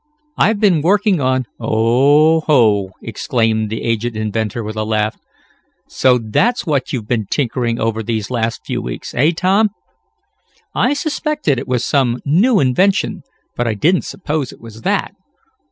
I've been working on " "Oh, ho!" exclaimed the aged inventor with a laugh. "So that's what you've been tinkering over these last few weeks, eh, Tom? I suspected it was some new invention, but I didn't suppose it was that.